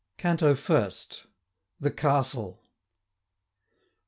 CANTO FIRST. THE CASTLE.